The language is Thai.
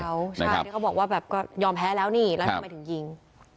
ใช่เขาบอกว่ายอมแพ้แล้วแล้วทำไมถึงยิง